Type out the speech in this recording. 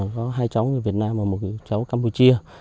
có hai cháu việt nam và một cháu campuchia